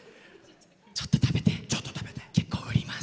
ちょっと食べて結構、売ります。